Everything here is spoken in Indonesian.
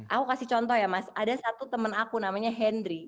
aku kasih contoh ya mas ada satu teman aku namanya hendry